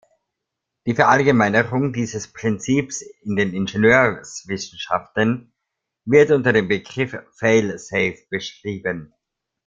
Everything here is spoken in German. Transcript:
Die Verallgemeinerung dieses Prinzips in den Ingenieurswissenschaften wird unter dem Begriff Fail-Safe beschrieben.